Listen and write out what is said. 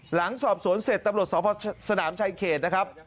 หลังสอบสวนเสร็จตำรวจสหพสนามชายเขต